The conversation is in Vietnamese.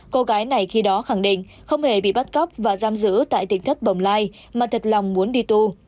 cô gái này khi đó khẳng định không hề bị bắt cóc và giam giữ tại tính thất bổng lai mà thật lòng muốn đi tu